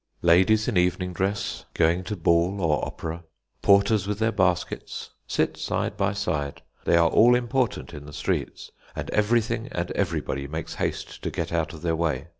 Ladies in evening dress, going to ball or opera, porters with their baskets, sit side by side. They are all important in the streets, and everything and everybody makes haste to get out of their way.